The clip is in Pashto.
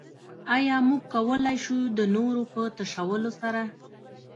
ايا موږ کولای شو د نورو په تشولو سره.